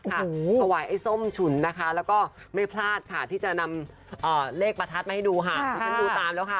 ขวายไอ้ส้มฉุนนะคะแล้วก็ไม่พลาดค่ะที่จะนำเลขประทัดมาให้ดูค่ะ